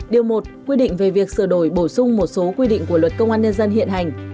điều một quy định về việc sửa đổi bổ sung một số quy định của luật công an nhân dân hiện hành